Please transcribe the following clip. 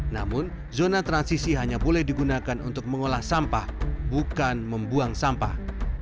namun zona transisi hanya boleh digunakan untuk mengolah sampah bukan membuang sampah